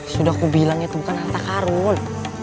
sudah aku bilang itu bukan harta karun